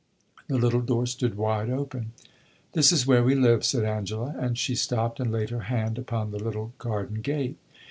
The little door stood wide open. "This is where we live," said Angela; and she stopped and laid her hand upon the little garden gate.